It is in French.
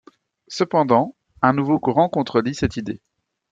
Cependant, un nouveau courant contredit cette idée.